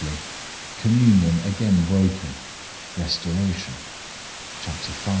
COMMUNION AGAIN BROKEN. RESTORATION. Chap. v.